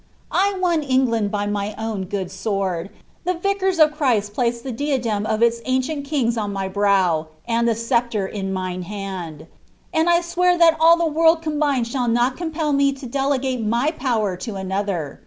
'* I won England by mine own good sword; the TicarB iif Chnst placed tbe diadem of iia ancient kings on my brow, and the sceptre in mine hand ; and 1 swear that all (he world combined shall nol compel me to delegate my power to anoiher.